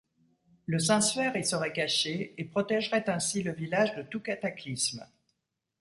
Le Saint-Suaire y serait caché, et protégerait ainsi le village de tout cataclysme.